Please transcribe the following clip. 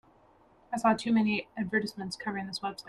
I saw too many advertisements covering this website.